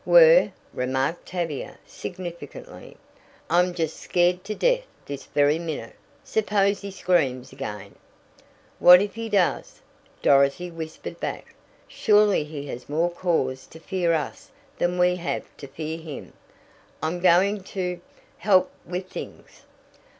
"Were!" remarked Tavia significantly. "I'm just scared to death this very minute. Suppose he screams again?" "What if he does?" Dorothy whispered back. "Surely he has more cause to fear us than we have to fear him. I'm going to help with things."